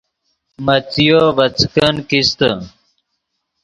مڅیو ڤے څیکن کیستے